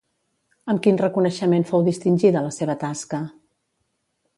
Amb quin reconeixement fou distingida la seva tasca?